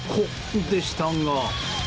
でしたが。